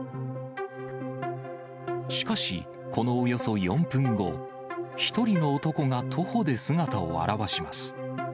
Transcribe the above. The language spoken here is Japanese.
しかし、このおよそ４分後、一人の男が徒歩で姿を現します。